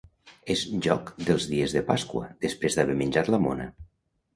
És joc dels dies de Pasqua, després d’haver menjat la mona.